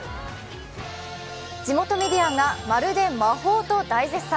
地元メディアがまるで魔法と大絶賛。